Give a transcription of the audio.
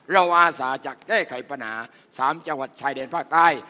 เราอาศาจากแก้ไขประหนาสามจัวร์ชายแดนภาคใต้